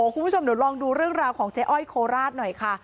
คุณผู้ชมเดี๋ยวลองดูเรื่องราวของเจ๊อ้อยโคราชหน่อยค่ะ